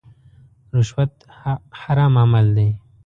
رشوت حرام عمل دی.